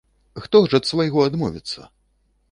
Хто ж ад свайго адмовіцца?